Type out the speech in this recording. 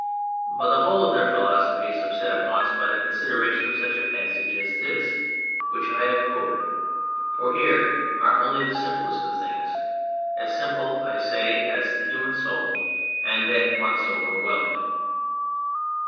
But the whole of their philo sophy is upset at once by the consideration of such a passage as this which I have quoted ; for here are only the simplest of things, as simple, I say, as the human soul, and at once overwhelming.